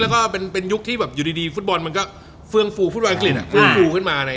แล้วก็เป็นยุคที่แบบอยู่ดีฟุตบอลมันก็เฟื่องฟูฟุตบอลอังกฤษเฟื่องฟูขึ้นมา